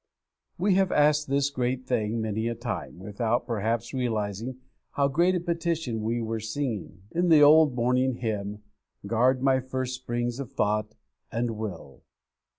_ We have asked this great thing many a time, without, perhaps, realizing how great a petition we were singing, in the old morning hymn, 'Guard my first springs of thought and will!'